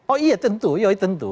oh iya tentu